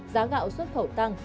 giá gạo xuất khẩu tăng